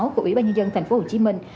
của ủy ban nhân dân thành phố hồ chí minh